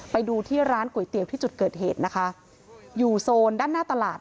ไปดูที่ร้านก๋วยเตี๋ยวที่จุดเกิดเหตุนะคะอยู่โซนด้านหน้าตลาด